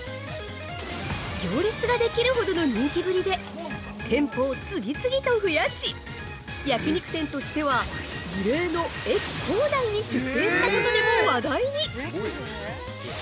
行列ができるほどの人気ぶりで店舗を次々と増やし、焼肉店としては異例の駅構内に出店したことでも話題に。